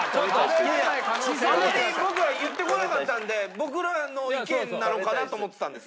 あんまり僕らに言ってこなかったんで僕らの意見なのかなと思ってたんです